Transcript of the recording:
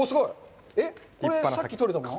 これ、さっき取れたもの？